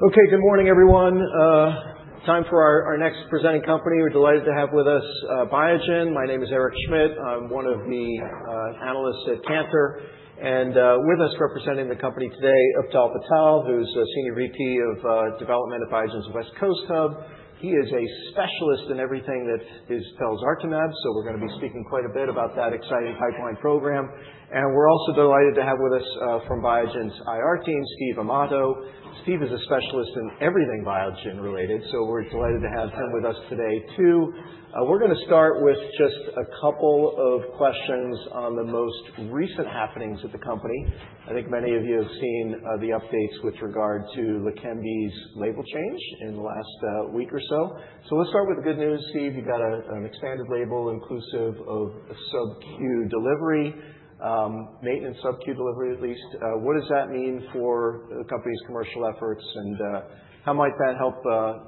Okay, good morning, everyone. Time for our next presenting company. We're delighted to have with us, Biogen. My name is Eric Schmidt. I'm one of the analysts at Cantor, and with us representing the company today, Uptal Patel, who's a Senior VP of Development at Biogen's West Coast Hub. He is a specialist in everything that is felzartamab, so we're gonna be speaking quite a bit about that exciting pipeline program, and we're also delighted to have with us, from Biogen's IR team, Steve Amato. Steve is a specialist in everything Biogen related, so we're delighted to have him with us today, too. We're gonna start with just a couple of questions on the most recent happenings at the company. I think many of you have seen the updates with regard to LEQEMBI's label change in the last week or so. So let's start with the good news, Steve. You've got an expanded label, inclusive of sub-Q delivery, maintenance sub-Q delivery, at least. What does that mean for the company's commercial efforts, and how might that help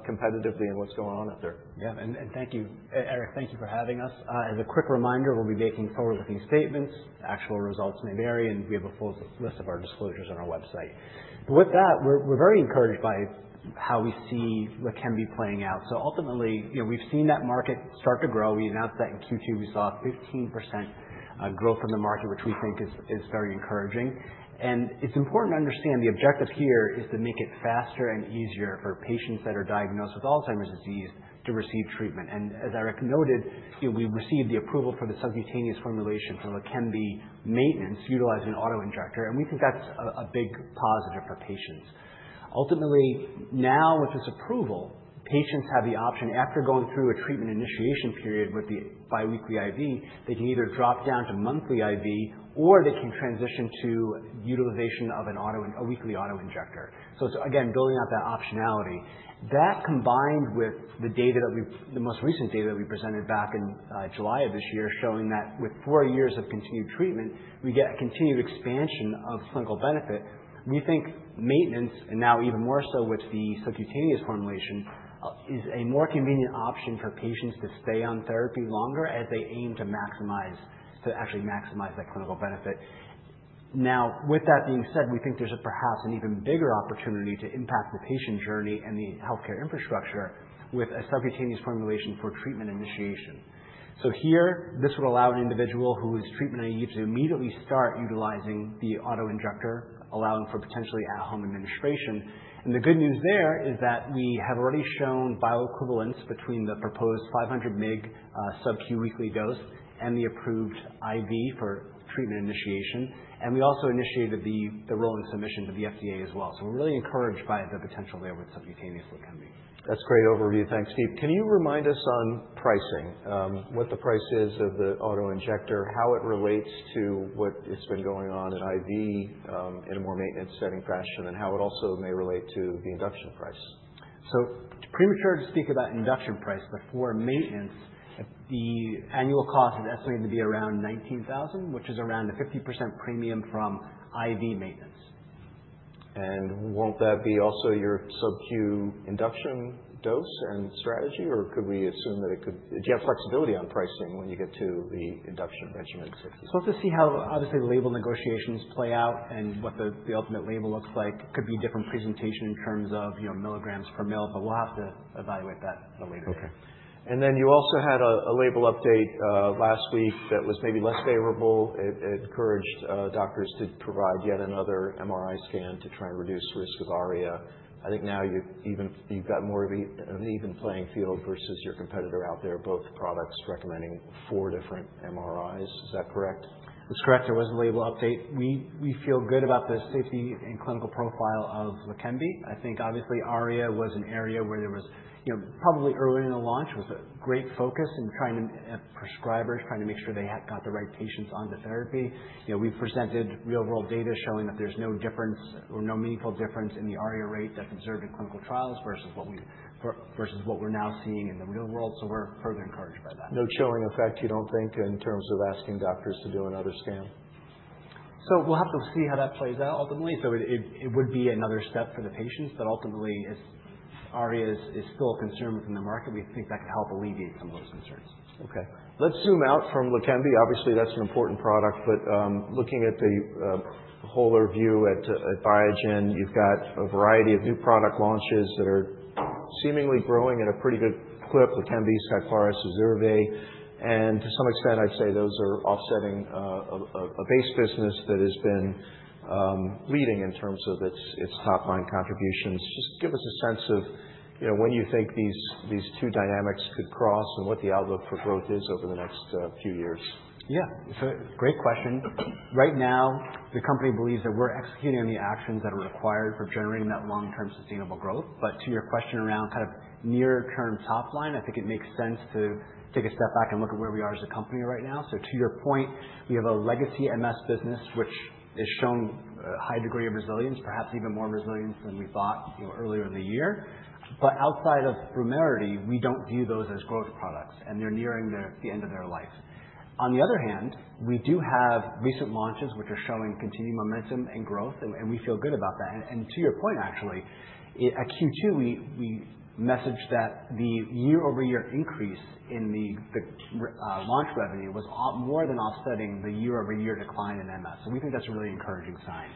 competitively and what's going on out there? Yeah, and thank you, Eric, thank you for having us. As a quick reminder, we'll be making forward-looking statements. Actual results may vary, and we have a full list of our disclosures on our website. With that, we're very encouraged by how we see LEQEMBI playing out. So ultimately, you know, we've seen that market start to grow. We announced that in Q2, we saw a 15% growth in the market, which we think is very encouraging. It's important to understand the objective here is to make it faster and easier for patients that are diagnosed with Alzheimer's disease to receive treatment. As Eric noted, you know, we received the approval for the subcutaneous formulation for LEQEMBI maintenance utilizing an autoinjector, and we think that's a big positive for patients. Ultimately, now, with this approval, patients have the option, after going through a treatment initiation period with the biweekly IV, they can either drop down to monthly IV or they can transition to utilization of a weekly autoinjector. So it's, again, building out that optionality. That, combined with the data that we've... the most recent data that we presented back in July of this year, showing that with four years of continued treatment, we get continued expansion of clinical benefit. We think maintenance, and now even more so with the subcutaneous formulation, is a more convenient option for patients to stay on therapy longer as they aim to maximize, to actually maximize that clinical benefit. Now, with that being said, we think there's a perhaps an even bigger opportunity to impact the patient journey and the healthcare infrastructure with a subcutaneous formulation for treatment initiation. So here, this would allow an individual who is treatment naive to immediately start utilizing the autoinjector, allowing for potentially at-home administration. And the good news there is that we have already shown bioequivalence between the proposed 500 mg sub-Q weekly dose and the approved IV for treatment initiation. And we also initiated the rolling submission to the FDA as well. So we're really encouraged by the potential there with subcutaneous LEQEMBI. That's a great overview. Thanks, Steve. Can you remind us on pricing, what the price is of the autoinjector, how it relates to what has been going on in IV, in a more maintenance setting fashion, and how it also may relate to the induction price? It's premature to speak about induction price, but for maintenance, the annual cost is estimated to be around $19,000, which is around a 50% premium from IV maintenance. And won't that be also your sub-Q induction dose and strategy, or could we assume that it could? Do you have flexibility on pricing when you get to the induction regimen? So let's just see how, obviously, the label negotiations play out and what the ultimate label looks like. Could be different presentation in terms of, you know, milligrams per mil, but we'll have to evaluate that at a later date. Okay. And then you also had a label update last week that was maybe less favorable. It encouraged doctors to provide yet another MRI scan to try and reduce risk of ARIA. I think now you've even got more of an even playing field versus your competitor out there, both products recommending four different MRIs. Is that correct? That's correct. There was a label update. We, we feel good about the safety and clinical profile of LEQEMBI. I think obviously ARIA was an area where there was, you know, probably early in the launch, was a great focus in trying to, prescribers trying to make sure they had got the right patients on the therapy. You know, we presented real-world data showing that there's no difference or no meaningful difference in the ARIA rate that's observed in clinical trials versus what we, versus what we're now seeing in the real world. So we're further encouraged by that. No chilling effect, you don't think, in terms of asking doctors to do another scan? So we'll have to see how that plays out ultimately. So it would be another step for the patients, but ultimately, as ARIA is still a concern within the market, we think that could help alleviate some of those concerns. Okay. Let's zoom out from LEQEMBI. Obviously, that's an important product, but, looking at the whole review at Biogen, you've got a variety of new product launches that are seemingly growing at a pretty good clip, LEQEMBI, SKYCLARYS, ZURZUVAE. And to some extent, I'd say those are offsetting a base business that has been leading in terms of its top-line contributions. Just give us a sense of, you know, when you think these two dynamics could cross and what the outlook for growth is over the next few years. Yeah, so great question. Right now, the company believes that we're executing on the actions that are required for generating that long-term sustainable growth. But to your question around kind of near-term top line, I think it makes sense to take a step back and look at where we are as a company right now. So to your point, we have a legacy MS business, which has shown a high degree of resilience, perhaps even more resilience than we thought, you know, earlier in the year. But outside of VUMERITY, we don't view those as growth products, and they're nearing the end of their life. On the other hand, we do have recent launches which are showing continued momentum and growth, and we feel good about that. To your point, actually, in Q2, we messaged that the year-over-year increase in the launch revenue was more than offsetting the year-over-year decline in MS, so we think that's a really encouraging sign.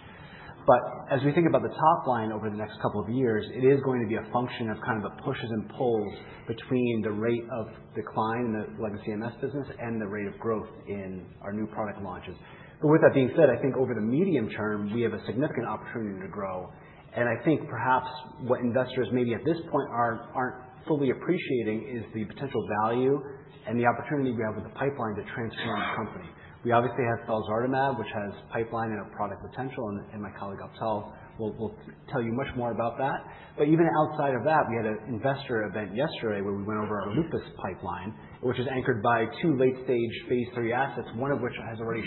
But as we think about the top line over the next couple of years, it is going to be a function of kind of the pushes and pulls between the rate of decline in the legacy MS business and the rate of growth in our new product launches. But with that being said, I think over the medium term, we have a significant opportunity to grow. And I think perhaps what investors maybe at this point are, aren't fully appreciating is the potential value and the opportunity we have with the pipeline to transform the company. We obviously have felzartamab, which has pipeline and a product potential, and my colleague, Uptal, will tell you much more about that. But even outside of that, we had an investor event yesterday where we went over our lupus pipeline, which is anchored by two late-stage phase III assets, one of which has already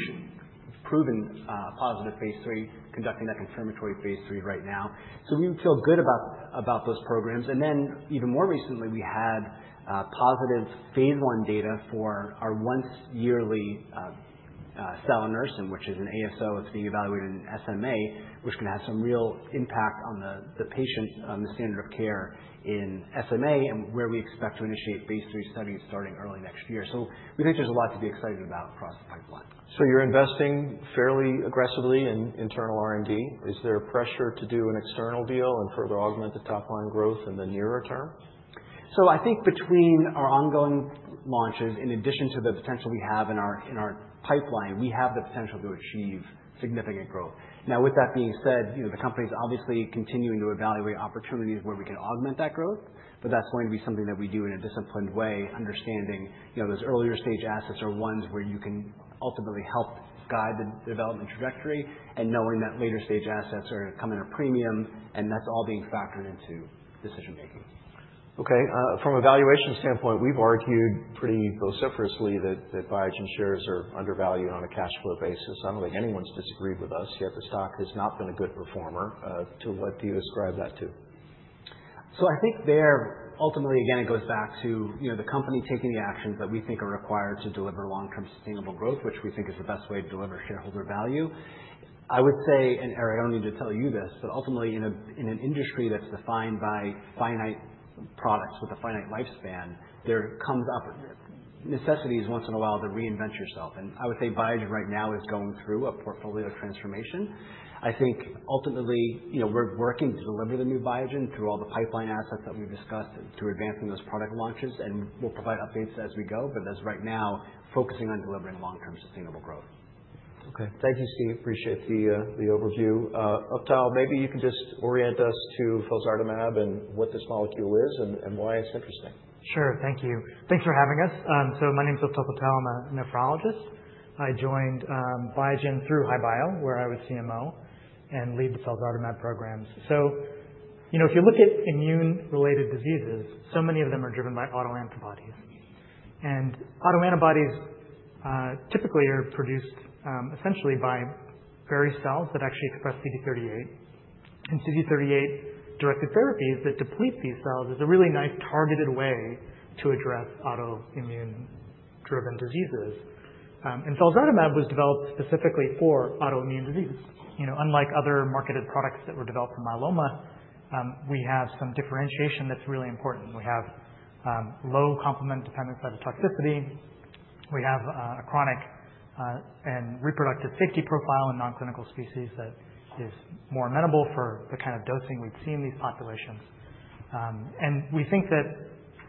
proven positive phase III, conducting that confirmatory phase III right now. So we feel good about those programs, and then, even more recently, we had positive phase I data for our once yearly salanersen, which is an ASO that's being evaluated in SMA, which can have some real impact on the patient, on the standard of care in SMA, and where we expect to initiate phase III studies starting early next year. So we think there's a lot to be excited about across the pipeline. You're investing fairly aggressively in internal R&D. Is there a pressure to do an external deal and further augment the top line growth in the nearer term? So I think between our ongoing launches, in addition to the potential we have in our pipeline, we have the potential to achieve significant growth. Now, with that being said, you know, the company's obviously continuing to evaluate opportunities where we can augment that growth, but that's going to be something that we do in a disciplined way, understanding, you know, those earlier-stage assets are ones where you can ultimately help guide the development trajectory and knowing that later-stage assets are gonna come at a premium, and that's all being factored into decision making. Okay, from a valuation standpoint, we've argued pretty vociferously that Biogen shares are undervalued on a cash flow basis. I don't think anyone's disagreed with us, yet the stock has not been a good performer. To what do you ascribe that to? I think there, ultimately, again, it goes back to, you know, the company taking the actions that we think are required to deliver long-term sustainable growth, which we think is the best way to deliver shareholder value. I would say, and I don't need to tell you this, but ultimately, in an industry that's defined by finite products with a finite lifespan, there comes up necessities once in a while to reinvent yourself. And I would say Biogen right now is going through a portfolio transformation. I think ultimately, you know, we're working to deliver the new Biogen through all the pipeline assets that we've discussed to advancing those product launches, and we'll provide updates as we go. But as of right now, focusing on delivering long-term sustainable growth. Okay. Thank you, Steve. Appreciate the overview. Uptal, maybe you can just orient us to felzartamab and what this molecule is and why it's interesting. Sure. Thank you. Thanks for having us. So my name is Uptal Patel. I'm a nephrologist. I joined Biogen through HI-Bio, where I was CMO, and lead the felzartamab programs. So, you know, if you look at immune-related diseases, so many of them are driven by autoantibodies. And autoantibodies typically are produced essentially by various cells that actually express CD38. And CD38-directed therapies that deplete these cells is a really nice targeted way to address autoimmune-driven diseases. And felzartamab was developed specifically for autoimmune disease. You know, unlike other marketed products that were developed for myeloma, we have some differentiation that's really important. We have low complement-dependent cytotoxicity. We have a chronic and reproductive safety profile in nonclinical species that is more amenable for the kind of dosing we've seen in these populations. And we think that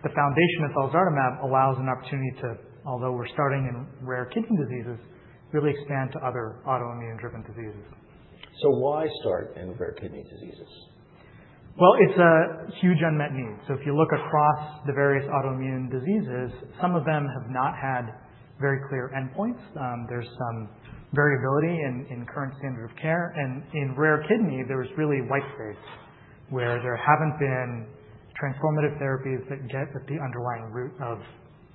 the foundation of felzartamab allows an opportunity to, although we're starting in rare kidney diseases, really expand to other autoimmune-driven diseases. So why start in rare kidney diseases? It's a huge unmet need. If you look across the various autoimmune diseases, some of them have not had very clear endpoints. There's some variability in current standard of care. In rare kidney, there's really white space, where there haven't been transformative therapies that get at the underlying root of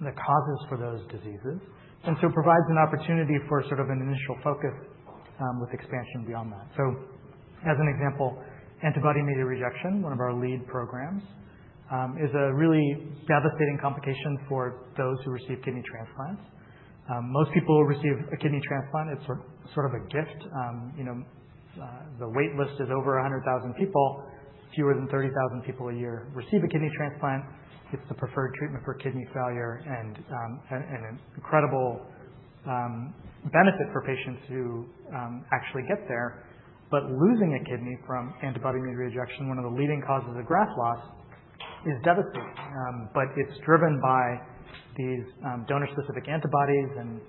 the causes for those diseases. It provides an opportunity for sort of an initial focus with expansion beyond that. As an example, antibody-mediated rejection, one of our lead programs, is a really devastating complication for those who receive kidney transplants. Most people receive a kidney transplant. It's sort of a gift. You know, the wait list is over 100,000 people. Fewer than 30,000 people a year receive a kidney transplant. It's the preferred treatment for kidney failure and, an incredible benefit for patients who actually get there. But losing a kidney from antibody-mediated rejection, one of the leading causes of graft loss, is devastating. But it's driven by these donor-specific antibodies and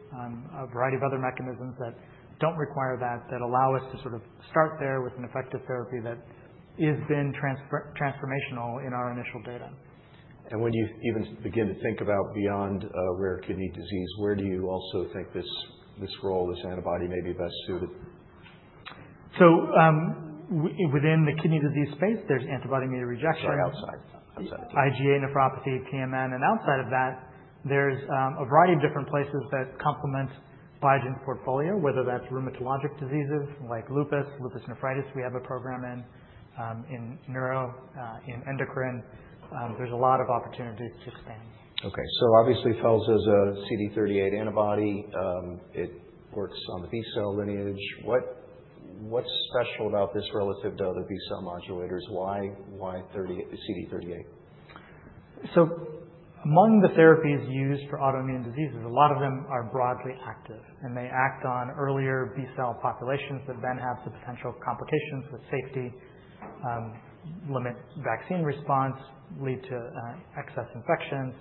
a variety of other mechanisms that don't require that, that allow us to sort of start there with an effective therapy that has been transformational in our initial data. And when you even begin to think about beyond rare kidney disease, where do you also think this, this role, this antibody may be best suited? Within the kidney disease space, there's antibody-mediated rejection- Sorry, outside. Outside. IgA nephropathy, PMN, and outside of that, there's a variety of different places that complement Biogen's portfolio, whether that's rheumatologic diseases like lupus, lupus nephritis, we have a program in neuro, in endocrine. There's a lot of opportunity to expand. Okay. So obviously, felzartamab is a CD38 antibody. It works on the B-cell lineage. What's special about this relative to other B-cell modulators? Why target CD38? So among the therapies used for autoimmune diseases, a lot of them are broadly active, and they act on earlier B-cell populations that then have the potential complications for safety, limit vaccine response, lead to excess infections.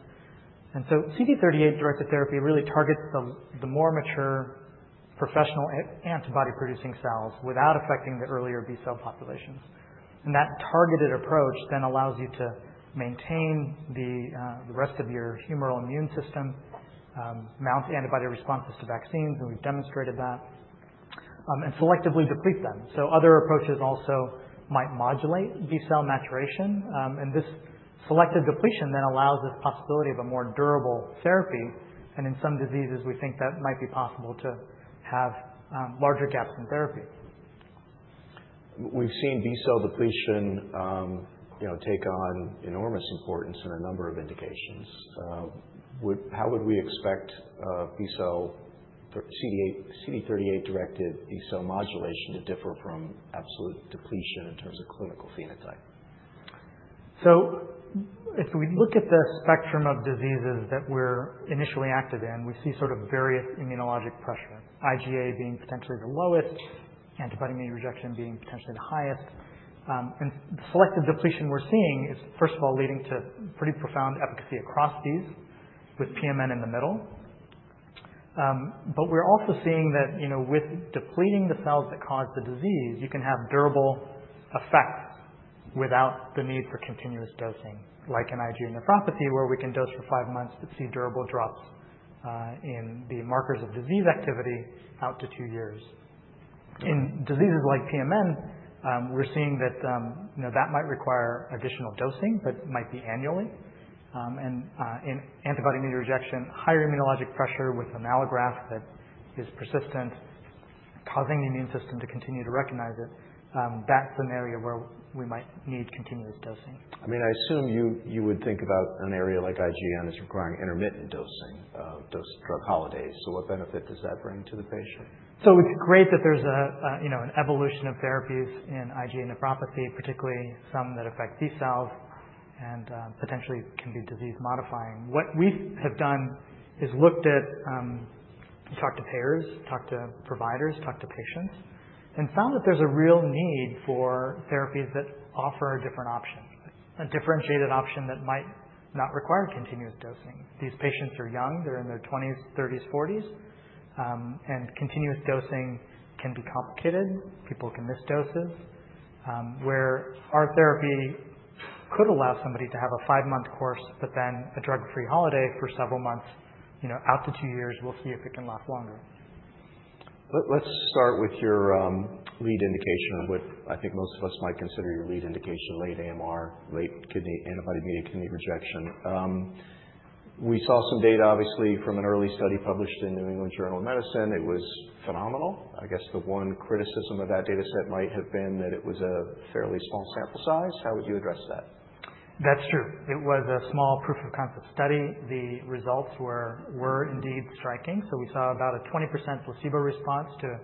And so CD38-directed therapy really targets the more mature professional antibody-producing cells without affecting the earlier B-cell populations. And that targeted approach then allows you to maintain the rest of your humoral immune system, mount the antibody responses to vaccines, and we've demonstrated that, and selectively deplete them. So other approaches also might modulate B-cell maturation, and this selective depletion then allows this possibility of a more durable therapy. And in some diseases, we think that it might be possible to have larger gaps in therapy. We've seen B-cell depletion, you know, take on enormous importance in a number of indications. How would we expect B-cell for CD38-directed B-cell modulation to differ from absolute depletion in terms of clinical phenotype? So if we look at the spectrum of diseases that we're initially active in, we see sort of various immunologic pressure, IgA being potentially the lowest, antibody-mediated rejection being potentially the highest. And selective depletion we're seeing is, first of all, leading to pretty profound efficacy across these, with PMN in the middle. But we're also seeing that, you know, with depleting the cells that cause the disease, you can have durable effect without the need for continuous dosing, like in IgA nephropathy, where we can dose for five months but see durable drops in the markers of disease activity out to two years. In diseases like PMN, we're seeing that, you know, that might require additional dosing, but might be annually. In antibody-mediated rejection, higher immunologic pressure with an allograft that is persistent, causing the immune system to continue to recognize it, that's an area where we might need continuous dosing. I mean, I assume you would think about an area like IgA as requiring intermittent dosing, dose drug holidays. So what benefit does that bring to the patient? So it's great that there's a you know an evolution of therapies in IgA nephropathy, particularly some that affect these cells and potentially can be disease-modifying. What we have done is looked at talked to payers, talked to providers, talked to patients, and found that there's a real need for therapies that offer a different option, a differentiated option that might not require continuous dosing. These patients are young, they're in their twenties, thirties, forties, and continuous dosing can be complicated. People can miss doses. Where our therapy could allow somebody to have a five-month course, but then a drug-free holiday for several months, you know, out to two years, we'll see if it can last longer. Let's start with your lead indication of what I think most of us might consider your lead indication, late AMR, late kidney antibody-mediated kidney rejection. We saw some data, obviously, from an early study published in New England Journal of Medicine. It was phenomenal. I guess the one criticism of that data set might have been that it was a fairly small sample size. How would you address that? That's true. It was a small proof of concept study. The results were indeed striking. So we saw about a 20% placebo response to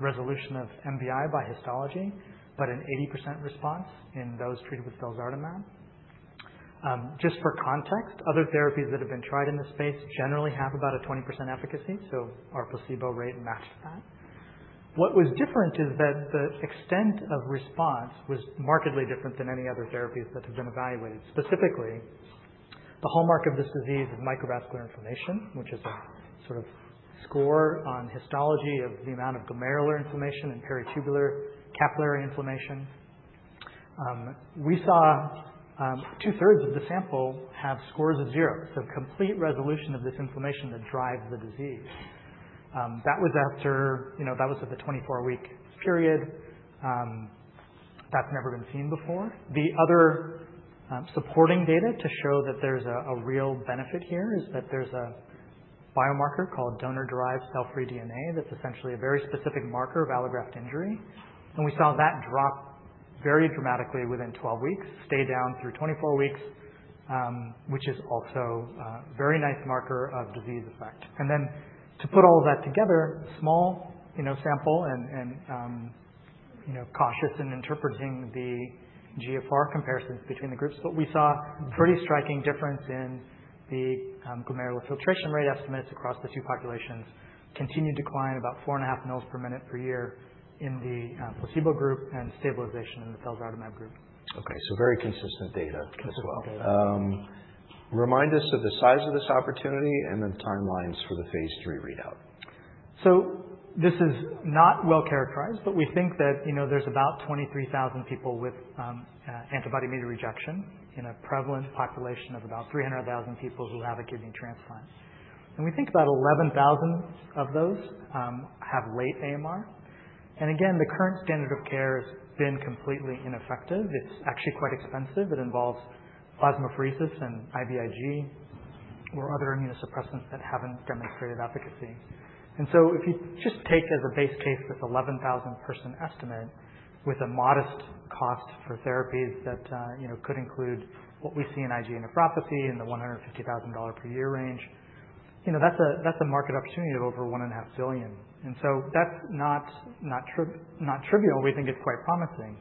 resolution of MVI by histology, but an 80% response in those treated with felzartamab. Just for context, other therapies that have been tried in this space generally have about a 20% efficacy, so our placebo rate matched that. What was different is that the extent of response was markedly different than any other therapies that have been evaluated. Specifically, the hallmark of this disease is microvascular inflammation, which is a sort of score on histology of the amount of glomerular inflammation and peritubular capillary inflammation. We saw two-thirds of the sample have scores of zero, so complete resolution of this inflammation that drives the disease. You know, that was at the 24-week period. That's never been seen before. The other supporting data to show that there's a real benefit here is that there's a biomarker called donor-derived cell-free DNA. That's essentially a very specific marker of allograft injury, and we saw that drop very dramatically within twelve weeks, stay down through twenty-four weeks, which is also a very nice marker of disease effect. And then to put all that together, small, you know, sample and, you know, cautious in interpreting the GFR comparisons between the groups, but we saw a pretty striking difference in the glomerular filtration rate estimates across the two populations continued to decline about 4.5 ml/min/year in the placebo group and stabilization in the felzartamab group. Okay, so very consistent data as well. Consistent data. Remind us of the size of this opportunity and the timelines for the phase III readout? So this is not well characterized, but we think that, you know, there's about 23,000 people with antibody-mediated rejection in a prevalent population of about 300,000 people who have a kidney transplant. And we think about 11,000 of those have late AMR. And again, the current standard of care has been completely ineffective. It's actually quite expensive. It involves plasmapheresis and IVIG or other immunosuppressants that haven't demonstrated efficacy. And so if you just take as a base case, this 11,000 person estimate with a modest cost for therapies that, you know, could include what we see in IgA nephropathy in the $150,000 per year range. You know, that's a market opportunity of over $1.5 billion, and so that's not trivial. We think it's quite promising.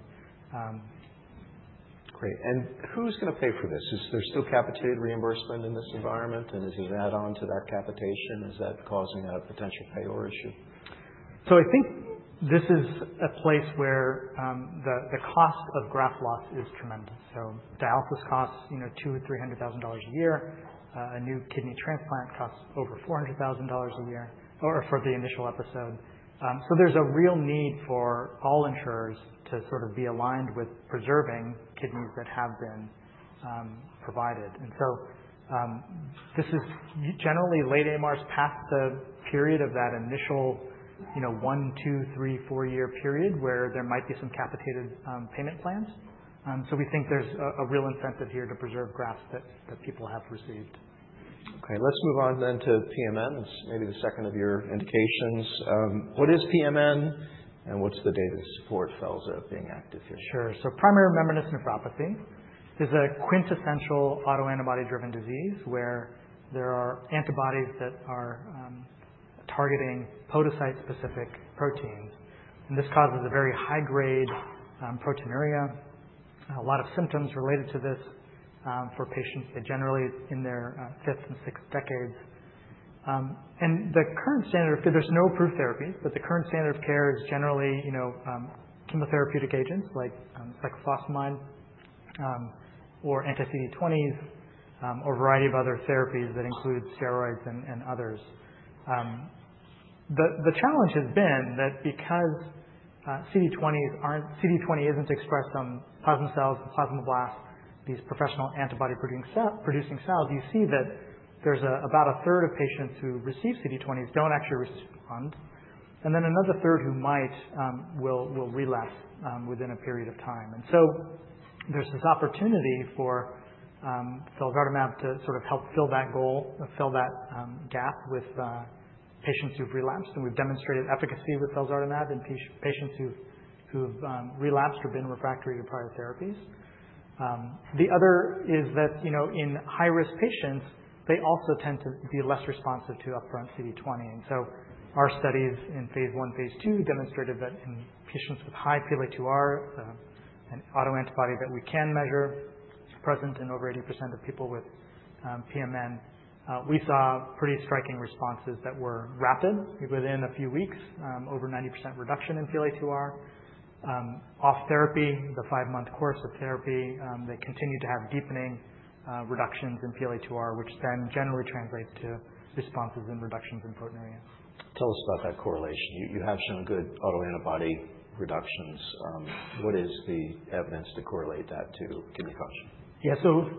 Great. And who's gonna pay for this? Is there still capitated reimbursement in this environment, and as you add on to that capitation, is that causing a potential payer issue? So I think this is a place where the cost of graft loss is tremendous. So dialysis costs, you know, $200,000 or $300,000 a year. A new kidney transplant costs over $400,000 a year or for the initial episode. So there's a real need for all insurers to sort of be aligned with preserving kidneys that have been provided. And so this is generally late AMRs past the period of that initial, you know, one, two, three, four-year period where there might be some capitated payment plans. So we think there's a real incentive here to preserve grafts that people have received. Okay, let's move on then to PMN. This may be the second of your indications. What is PMN, and what's the data support felzartamab being active here? Sure. So primary membranous nephropathy is a quintessential autoantibody-driven disease where there are antibodies that are targeting podocyte-specific proteins, and this causes a very high-grade proteinuria. A lot of symptoms related to this for patients, they're generally in their fifth and sixth decades. And the current standard. So there's no approved therapy, but the current standard of care is generally, you know, chemotherapeutic agents like cyclophosphamide or anti-CD20 or a variety of other therapies that include steroids and others. The challenge has been that because CD20s aren't CD20 isn't expressed on plasma cells, plasmablasts, these professional antibody-producing cells, you see that there's about a third of patients who receive CD20s don't actually respond, and then another third who might will relapse within a period of time. And so there's this opportunity for felzartamab to sort of help fill that goal or fill that gap with patients who've relapsed. And we've demonstrated efficacy with felzartamab in patients who have relapsed or been refractory to prior therapies. The other is that, you know, in high-risk patients, they also tend to be less responsive to upfront CD20. And so our studies in phase I, phase II demonstrated that in patients with high PLA2R, an autoantibody that we can measure, is present in over 80% of people with PMN. We saw pretty striking responses that were rapid, within a few weeks, over 90% reduction in PLA2R. Off therapy, the five-month course of therapy, they continued to have deepening reductions in PLA2R, which then generally translates to responses and reductions in proteinuria. Tell us about that correlation. You have some good autoantibody reductions. What is the evidence to correlate that to kidney function? Yeah. So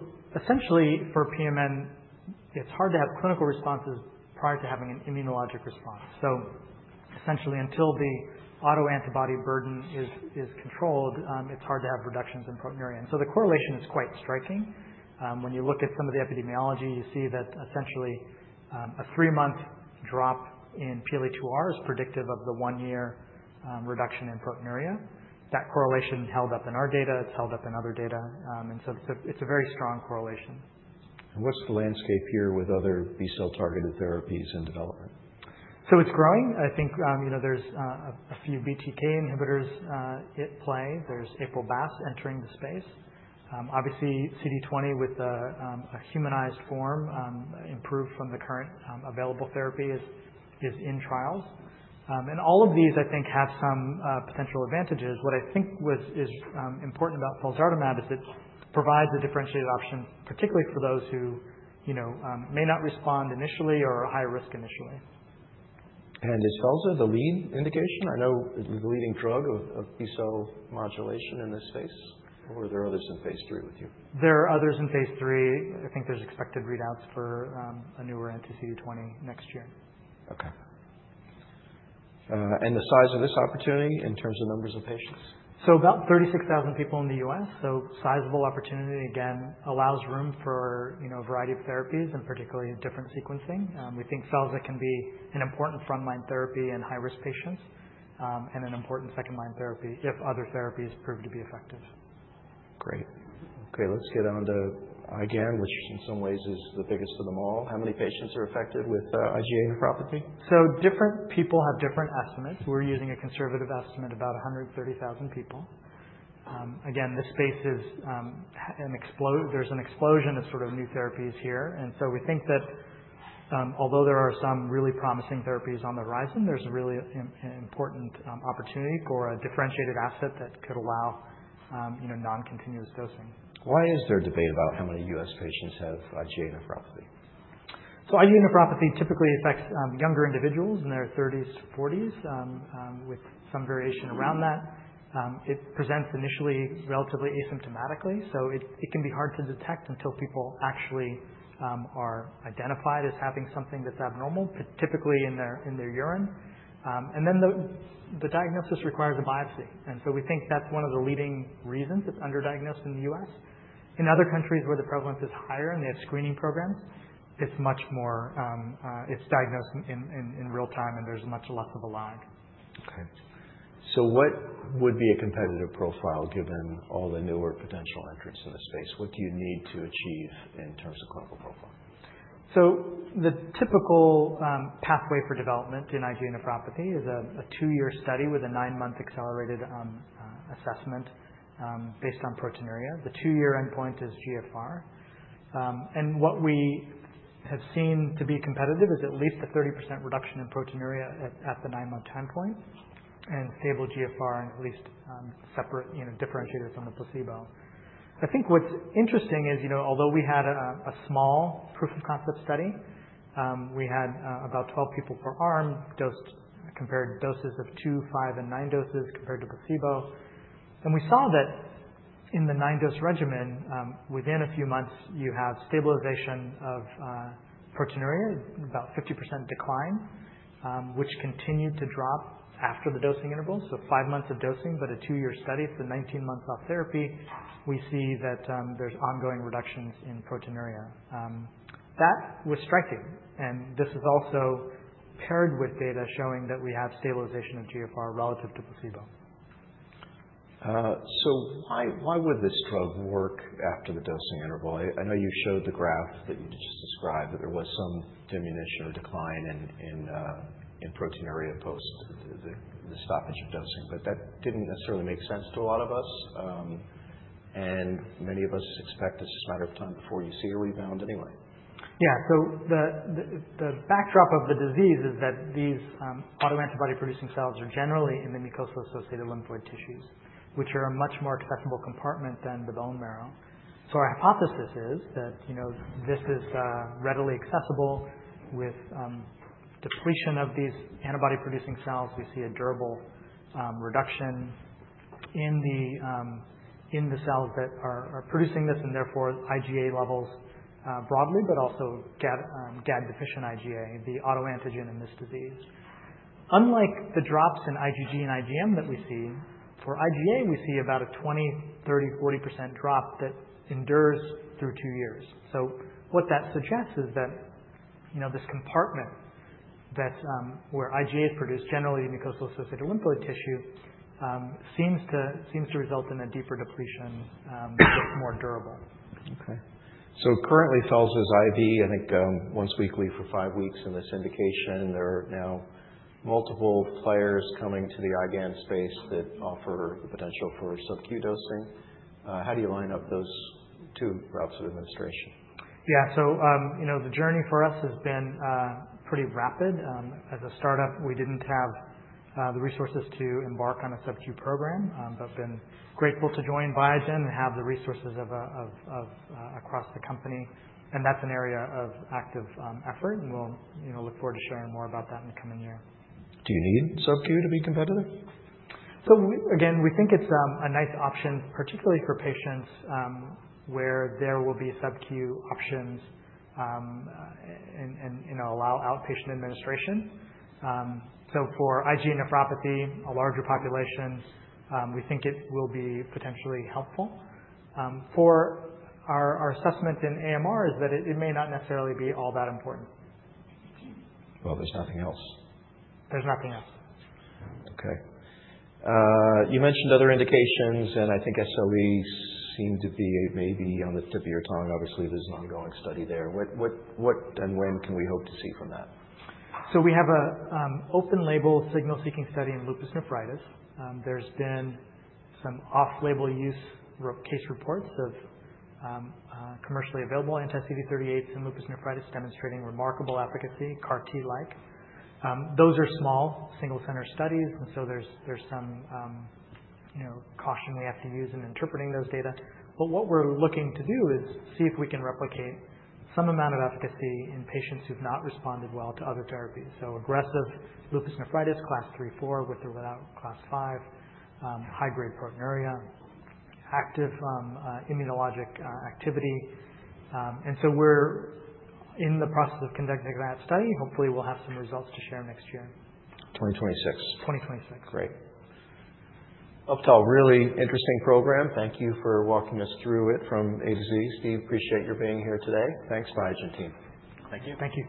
essentially, for PMN, it's hard to have clinical responses prior to having an immunologic response. So essentially, until the autoantibody burden is controlled, it's hard to have reductions in proteinuria. And so the correlation is quite striking. When you look at some of the epidemiology, you see that essentially, a three-month drop in PLA2R is predictive of the one-year reduction in proteinuria. That correlation held up in our data. It's held up in other data, and so it's a very strong correlation. What's the landscape here with other B-cell-targeted therapies in development? So it's growing. I think, you know, there's a few BTK inhibitors at play. There's APRIL-BAFF entering the space. Obviously, CD20 with a humanized form improved from the current available therapy is in trials. And all of these, I think, have some potential advantages. What I think is important about felzartamab is it provides a differentiated option, particularly for those who, you know, may not respond initially or are high risk initially. Is felza the lead indication? I know it's the leading drug of, of B-cell modulation in this space, or are there others in phase III with you? There are others in phase III. I think there's expected readouts for a newer anti-CD20 next year. Okay, and the size of this opportunity in terms of numbers of patients? So, about 36,000 people in the U.S., so sizable opportunity, again, allows room for, you know, a variety of therapies and particularly different sequencing. We think felza can be an important frontline therapy in high-risk patients, and an important second-line therapy if other therapies prove to be effective. Great. Okay, let's get on to IgA, which in some ways is the biggest of them all. How many patients are affected with IgA nephropathy? So different people have different estimates. We're using a conservative estimate, about a hundred and thirty thousand people. Again, this space is. There's an explosion of sort of new therapies here, and so we think that, although there are some really promising therapies on the horizon, there's a really important opportunity for a differentiated asset that could allow, you know, non-continuous dosing. Why is there debate about how many U.S. patients have IgA nephropathy? So IgA nephropathy typically affects younger individuals in their thirties to forties with some variation around that. It presents initially relatively asymptomatically, so it can be hard to detect until people actually are identified as having something that's abnormal, but typically in their urine. And then the diagnosis requires a biopsy, and so we think that's one of the leading reasons it's underdiagnosed in the U.S. In other countries where the prevalence is higher, and they have screening programs, it's much more, it's diagnosed in real-time, and there's much less of a lag. So what would be a competitive profile, given all the newer potential entrants in the space? What do you need to achieve in terms of clinical profile? So the typical pathway for development in IgA nephropathy is a two-year study with a nine-month accelerated assessment based on proteinuria. The two-year endpoint is GFR. And what we have seen to be competitive is at least a 30% reduction in proteinuria at the nine-month time point, and stable GFR and at least separate, you know, differentiators from the placebo. I think what's interesting is, you know, although we had a small proof of concept study, we had about 12 people per arm, dosed compared doses of two, five, and nine doses compared to placebo. And we saw that in the nine-dose regimen, within a few months, you have stabilization of proteinuria, about 50% decline, which continued to drop after the dosing interval. So five months of dosing, but a two-year study, the nineteen months off therapy, we see that there's ongoing reductions in proteinuria. That was striking, and this is also paired with data showing that we have stabilization of GFR relative to placebo. So why would this drug work after the dosing interval? I know you showed the graph that you just described, that there was some diminution or decline in proteinuria post the stoppage of dosing, but that didn't necessarily make sense to a lot of us, and many of us expect it's a matter of time before you see a rebound anyway. Yeah. So the backdrop of the disease is that these autoantibody-producing cells are generally in the mucosal-associated lymphoid tissues, which are a much more accessible compartment than the bone marrow. So our hypothesis is that, you know, this is readily accessible with depletion of these antibody-producing cells. We see a durable reduction in the cells that are producing this, and therefore IgA levels broadly, but also Gd-deficient IgA, the autoantigen in this disease. Unlike the drops in IgG and IgM that we see, for IgA, we see about a 20%-40% drop that endures through two years. So what that suggests is that, you know, this compartment that where IgA is produced, generally in mucosal-associated lymphoid tissue, seems to result in a deeper depletion that's more durable. Okay. So currently, felza's IV, I think, once weekly for five weeks in this indication, there are now multiple players coming to the IgAN space that offer the potential for sub-Q dosing. How do you line up those two routes of administration? Yeah. So, you know, the journey for us has been pretty rapid. As a start-up, we didn't have the resources to embark on a sub-Q program, but been grateful to join Biogen and have the resources of across the company, and that's an area of active effort, and we'll, you know, look forward to sharing more about that in the coming year. Do you need sub-Q to be competitive? So we again, we think it's a nice option, particularly for patients, where there will be sub-Q options, and you know, allow outpatient administration. So for IgA nephropathy, a larger population, we think it will be potentially helpful. For our assessment in AMR is that it may not necessarily be all that important. There's nothing else. There's nothing else. Okay. You mentioned other indications, and I think SLE seemed to be maybe on the tip of your tongue. Obviously, there's an ongoing study there. What and when can we hope to see from that? So we have an open label signal-seeking study in lupus nephritis. There's been some off-label use or case reports of commercially available anti-CD38 in lupus nephritis, demonstrating remarkable efficacy, CAR T-like. Those are small, single-center studies, and so there's some, you know, caution we have to use in interpreting those data. But what we're looking to do is see if we can replicate some amount of efficacy in patients who've not responded well to other therapies. So aggressive lupus nephritis, class three, four, with or without class five, high-grade proteinuria, active immunologic activity. And so we're in the process of conducting that study. Hopefully, we'll have some results to share next year. 2026? 2026 Great. Uptal a really interesting program. Thank you for walking us through it from A to Z. Steve, appreciate your being here today. Thanks, Biogen team. Thank you. Thank you.